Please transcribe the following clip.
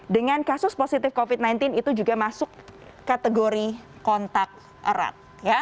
dengan kasus positif covid sembilan belas itu juga masuk kategori kontak erat